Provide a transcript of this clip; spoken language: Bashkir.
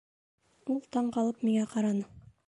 Ул таң ҡалып миңә ҡараны: